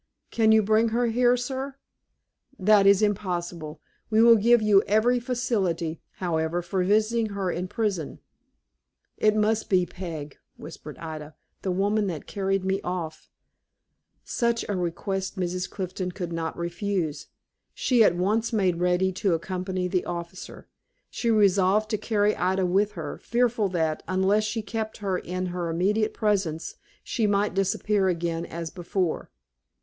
"Can you bring her here, sir?" "That is impossible. We will give you every facility, however, for visiting her in prison." "It must be Peg," whispered Ida; "the woman that carried me off." Such a request Mrs. Clifton could not refuse. She at once made ready to accompany the officer. She resolved to carry Ida with her, fearful that, unless she kept her in her immediate presence, she might disappear again as before.